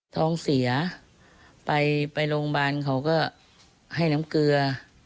ท้องเสียไปโรงพยาบาลเขาก็ให้น้ำเกลือ